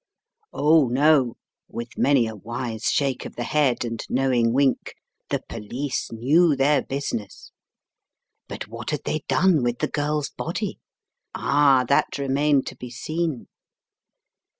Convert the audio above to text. "Oh, no" — with many a wise 142 Tightening the Strands 143 shake^of ihe head, and knowing wink — "the police knew their business/' But what had they done with the girl's body? Ah! that remained to be seen.